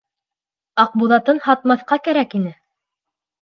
Аҡбуҙатын һатмаҫҡа кәрәк ине!